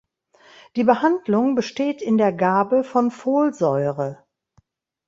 Die Behandlung besteht in der Gabe von Folsäure.